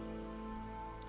phi nhung tâm sự